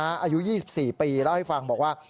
อายุ๒๔ปีเล่าให้ฟังบอกว่า